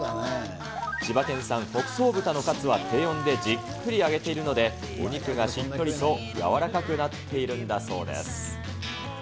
千葉県産北総豚のカツは低温でじっくり揚げているので、お肉がしっとりとやわらかくなっているんだそうです。